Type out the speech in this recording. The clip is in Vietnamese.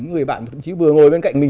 người bạn thậm chí vừa ngồi bên cạnh mình